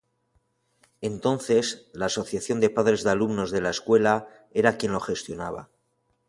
Entonces, la Asociación de Padres de Alumnos de la escuela era quien lo gestionaba.